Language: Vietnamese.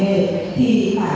hoặc thể hiện của học bạc